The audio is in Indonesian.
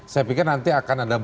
saya pikir nanti akan ada